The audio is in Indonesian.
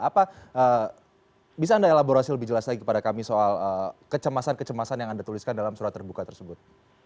apa bisa anda elaborasi lebih jelas lagi kepada kami soal kecemasan kecemasan yang anda tuliskan dalam surat terbuka tersebut